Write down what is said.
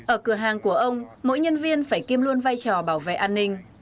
ở cửa hàng của ông mỗi nhân viên phải kiêm luôn vai trò bảo vệ an ninh